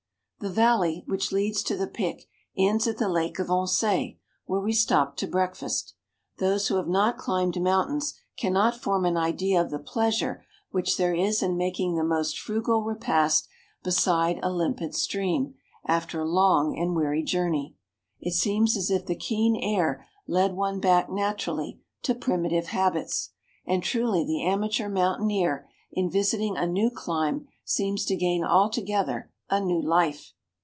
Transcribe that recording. The valley which leads to the Pic ends at the Lake of Oncet, where we stopped to breakfast. Those who have not climbed mountains cannot form an idea of the pleasure which there is in making the most frugal repast beside a limpid stream, after a long and weary journey. It seems as if the keen 112 MOUNTAIN ADVENTUEES. air led one back naturally to primitive habits; and truly the amateur mountaineer in visiting a new clime seems to gain altogether a new life.